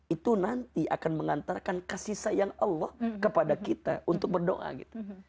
itu nanti akan mengantarkan kasih sayang allah kepada kita untuk berdoa gitu